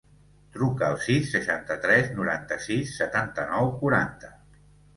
Truca al sis, seixanta-tres, noranta-sis, setanta-nou, quaranta.